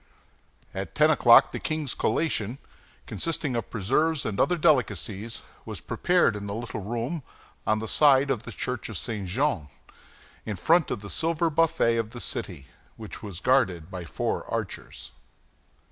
At ten o'clock, the king's collation, consisting of preserves and other delicacies, was prepared in the little room on the side of the church of St. Jean, in front of the silver buffet of the city, which was guarded by four archers.